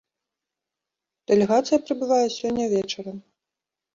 Дэлегацыя прыбывае сёння вечарам.